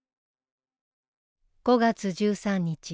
５月１３日。